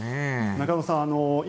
中野さん